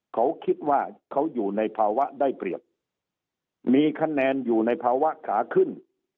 เขาคิดว่าเขาอยู่ในภาวะได้เปรียบมีคะแนนอยู่ในภาวะขาขึ้น